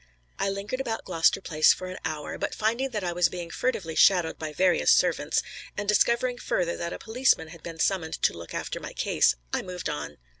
I lingered about Gloucester Place for an hour, but finding that I was being furtively shadowed by various servants, and discovering further that a policeman had been summoned to look after my case, I moved on.